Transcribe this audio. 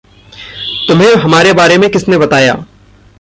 तुम्हें हमारे बारे में किसने बताया?